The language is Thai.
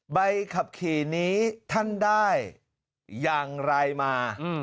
ใบขับขี่นี้ท่านได้อย่างไรมา